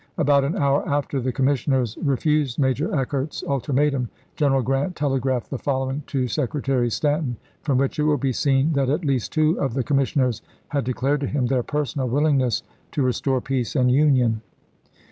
About an hour after the commissioners refused Major Eckert's ultimatum General Grant telegraphed the following to Secretary Stanton, from which it will be seen that at least two of the commissioners had declared to him their personal willingness "to restore peace and union."